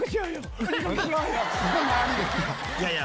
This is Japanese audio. いやいや。